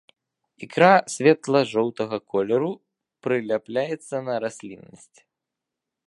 Ікра светла-жоўтага колеру, прыляпляецца на расліннасць.